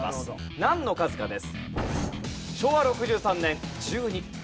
なんの数かです。